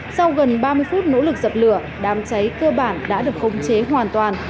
sau gần ba mươi phút nỗ lực dập lửa đám cháy cơ bản đã được khống chế hoàn toàn